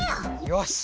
よし！